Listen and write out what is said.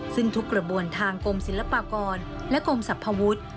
ซึ่งทุกกระบวนทางกรมศิลปากรและกรมสรรพวุฒิ